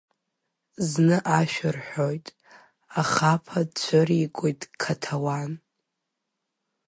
Зны ашәа рҳәоит, ахапа цәыригоит Қьаҭауан.